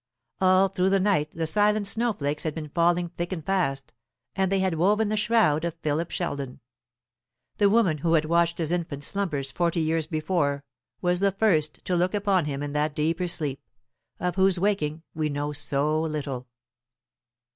All through the night the silent snow flakes had been falling thick and fast; and they had woven the shroud of Philip Sheldon. The woman who had watched his infant slumbers forty years before, was the first to look upon him in that deeper sleep, of whose waking we know so little.